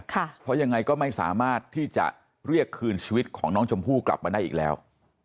เพราะยังไงก็ไม่สามารถที่จะเรียกคืนชีวิตของน้องชมพู่กลับมาได้อีกแล้ว